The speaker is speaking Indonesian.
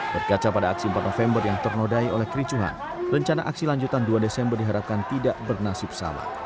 berkaca pada aksi empat november yang ternodai oleh kericuhan rencana aksi lanjutan dua desember diharapkan tidak bernasib sama